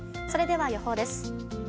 それでは、予報です。